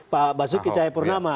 pak basuki cahayapurnama